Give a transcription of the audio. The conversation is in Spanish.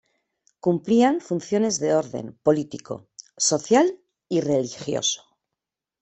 Cumplían funciones de orden político, social y religioso—.